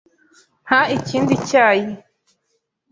Mpa ikindi cyayi.